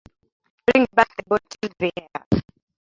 Bring back the bottle, Bear!